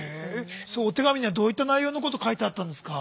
そのお手紙にはどういった内容のこと書いてあったんですか？